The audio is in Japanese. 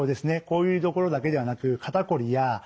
こういう所だけではなく肩こりや目の疲れ